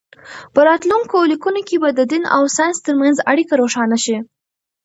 په راتلونکو لیکنو کې به د دین او ساینس ترمنځ اړیکه روښانه شي.